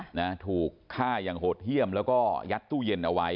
นะถูกฆ่าอย่างโหดเยี่ยมแล้วก็ยัดตู้เย็นเอาไว้